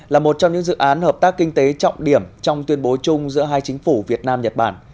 là một trong những dự án hợp tác kinh tế trọng điểm trong tuyên bố chung giữa hai chính phủ việt nam nhật bản